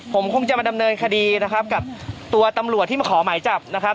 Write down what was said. ผมคงจะมาดำเนินคดีนะครับกับตัวตำรวจที่มาขอหมายจับนะครับ